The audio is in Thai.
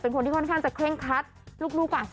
เป็นคนที่ค่อนข้างจะเคล่งคัสลูกอะไร